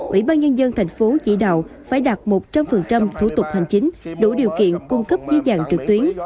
ủy ban nhân dân thành phố chỉ đạo phải đạt một trăm linh thủ tục hành chính đủ điều kiện cung cấp dưới dạng trực tuyến